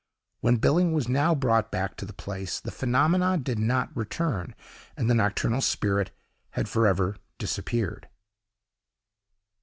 When Billing was now brought back to the place, the phenomena did not return, and the nocturnal spirit had for ever disappeared.